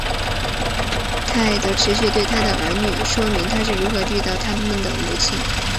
泰德持续对他的儿女说明他是如何遇到他们的母亲。